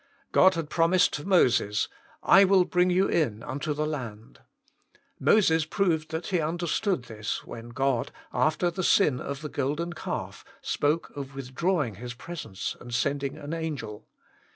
God had promised to Moses, / will bring you in unto the land. Moses proved that he understood this when God, after the sin of the golden calf, spoke of withdrawing His presence and sending an angel.